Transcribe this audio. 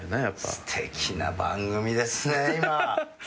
すてきな番組ですね今。